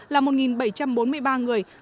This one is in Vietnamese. là một bảy trăm bốn mươi ba người